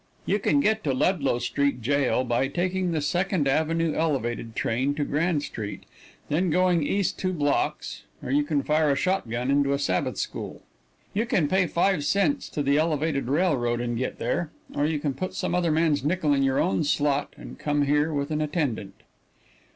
You can get to Ludlow Street Jail by taking the Second avenue Elevated train to Grand street, and then going east two blocks, or you can fire a shotgun into a Sabbath school. You can pay five cents to the Elevated Railroad and get here, or you can put some other man's nickel in your own slot and come here with an attendant.